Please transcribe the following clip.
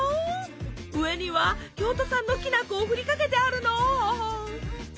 上には京都産のきな粉をふりかけてあるの。